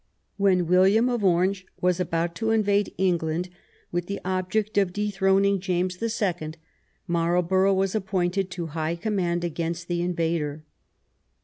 When William of Orange was about to invade England, with the object of dethroning James the Second, Marlborough was ap pointed to high conmiand against the invader.